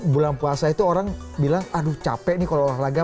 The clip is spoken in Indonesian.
bulan puasa itu orang bilang aduh capek nih kalau olahraga